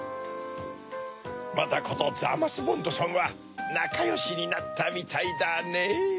バタコとザーマス・ボンドさんはなかよしになったみたいだねぇ。